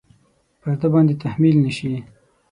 پر ده باندې تحمیل نه شي.